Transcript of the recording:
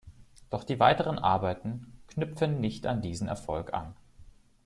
Doch die weiteren Arbeiten knüpfen nicht an diesen Erfolg an.